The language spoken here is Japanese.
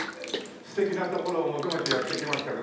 素敵な所を求めてやって来ましたけど。